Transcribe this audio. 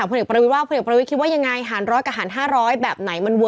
อ่าอ่าอ่าอ่าอ่าอ่าอ่าอ่าอ่าอ่า